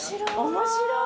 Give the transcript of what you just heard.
面白い。